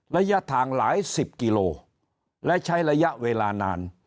ระยะทางหลายสิบกิโลและใช้ระยะเวลานาน